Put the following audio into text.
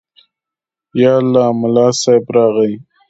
_يالله، ملا صيب راغی.